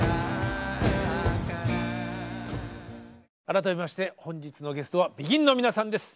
改めまして本日のゲストはＢＥＧＩＮの皆さんです。